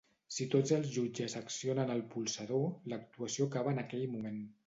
Si tots els jutges accionen el polsador, l'actuació acaba en aquell moment.